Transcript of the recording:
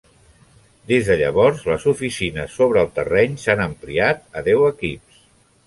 Des de llavors, les oficines sobre el terreny s'han ampliat a deu equips.